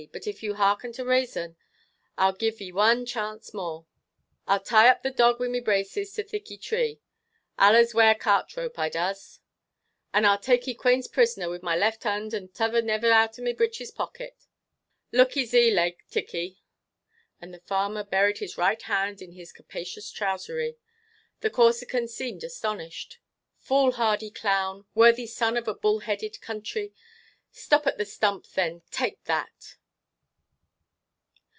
But if e harken to rason, I'll give e one chance more. I'll tie up the dog with my braces to thiccy tree allers wear cart rope I does and I'll tak e Quane's prisoner, with my left hond, and t'other never out of my breeches pocket; look e, zee, laike thiccy." And the farmer buried his right hand in his capacious trowsery. The Corsican seemed astonished. "Fool hardy clown, worthy son of a bull headed country, stop at the stump then, take that."